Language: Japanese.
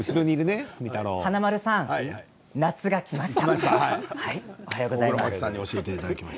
華丸さん夏がきました。